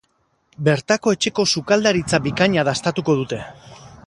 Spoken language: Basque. Bertako etxeko sukaldaritza bikaina dastatuko dute.